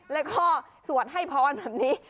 แล้วก็สวรรพ์ให้พรภรณ์แบบนี้